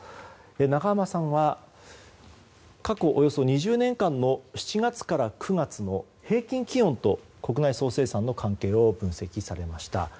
永濱さんは過去およそ２０年間の７月から９月の平均気温と国内総生産の関係を分析されました。